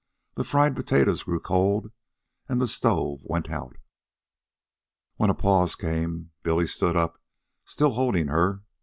The fried potatoes grew cold, and the stove went out. When a pause came, Billy stood up, still holding her.